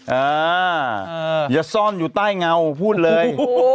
อย่าซ่อนอยู่ใต้เงาพูดเลย